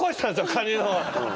カニの。